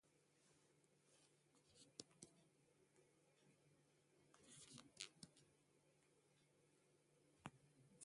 ما بالاخره بر دشمنان خود غالب آمدیم.